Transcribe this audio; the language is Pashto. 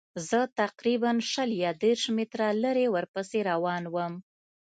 زه تقریباً شل یا دېرش متره لرې ورپسې روان وم.